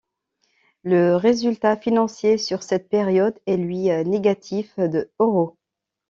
Le résultat financier sur cette période est lui négatif de euros.